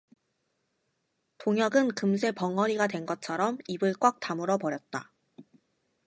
동혁은 금세 벙어리가 된 것처럼 입을 꽉 다물어 버렸다.